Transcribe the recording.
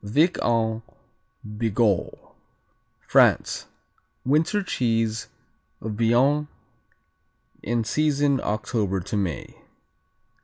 Vic en Bigorre France Winter cheese of Béarn in season October to May.